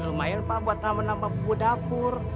lumayan pak buat nama nama buah dapur